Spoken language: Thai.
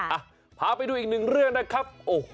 อ่ะพาไปดูอีกหนึ่งเรื่องนะครับโอ้โห